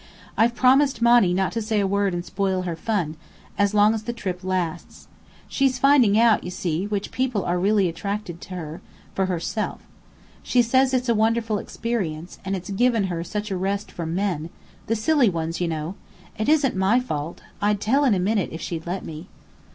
"I've promised Monny not to say a word and spoil her fun, as long as the trip lasts. She's finding out, you see, which people are really attracted to her, for herself. She says it's a wonderful experience and it's given her such a rest from men: the silly ones, you know. It isn't my fault. I'd tell in a minute if she'd let me."